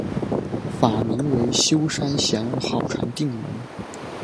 法名为休山贤好禅定门。